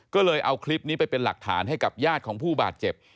ก็เลยเอาคลิปนี้ไปเป็นหลักฐานให้กับญาติของผู้บาดเจ็บ